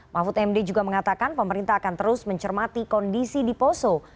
mahfud md juga mengatakan pemerintah akan terus mencermati kondisi di poso